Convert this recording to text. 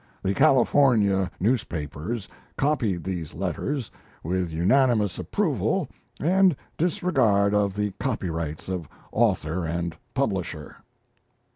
The California newspapers copied these letters, with unanimous approval and disregard of the copyrights of author and publisher."